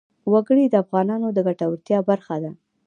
وګړي د افغانانو د ګټورتیا برخه ده.